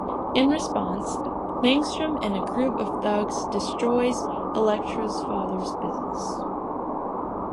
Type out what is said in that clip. In response, Langstrom and a group of thugs destroys Elektra's father's business.